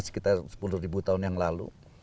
sekitar sepuluh tahun yang lalu